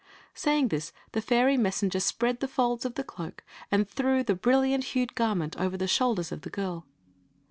Saying this the fairy messenger spread the folds of the cloak and threw the brilliant hued garment over the shoulders of the girl.